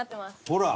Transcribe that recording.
ほら！